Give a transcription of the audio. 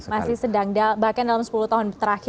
masih sedang bahkan dalam sepuluh tahun terakhir